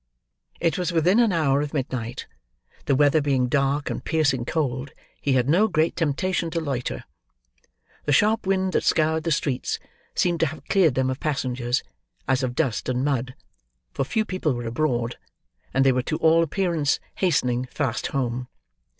It was within an hour of midnight. The weather being dark, and piercing cold, he had no great temptation to loiter. The sharp wind that scoured the streets, seemed to have cleared them of passengers, as of dust and mud, for few people were abroad, and they were to all appearance hastening fast home.